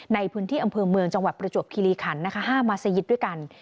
ในพื้นที่อำเภอเมืองจังหวัดประจวบคิริขันนะคะ๕มัศยิตด้วยกัน